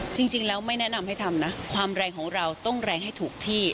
จริงแล้วไม่แนะนำให้ทำนะความแรงของเราต้องแรงให้ถูกที่